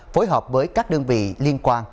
phối hợp với các đơn vị liên quan